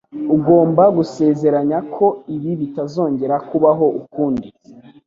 Ugomba gusezeranya ko ibi bitazongera kubaho ukundi